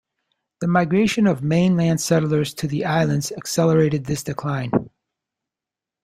The migration of mainland settlers to the islands accelerated this decline.